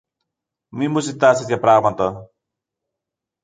Μη μου ζητάς τέτοια πράματα.